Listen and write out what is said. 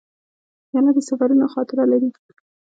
پیاله د سفرونو خاطره لري.